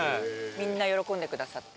みんな喜んでくださって。